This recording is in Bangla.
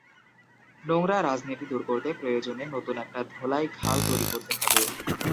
নোংরা রাজনীতি দূর করতে প্রয়োজনে নতুন একটা ধোলাই খাল তৈরি করতে হবে।